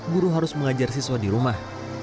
guru harus mengajar siswa di rumah